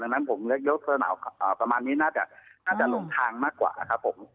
ดังนั้นผมยกสนามประมาณนี้น่าจะหลงทางมากกว่าครับผม